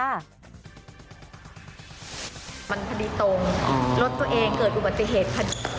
มันพอดีตรงรถตัวเองเกิดอุบัติเหตุ